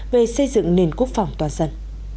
về xây dựng nền quốc phòng toàn dân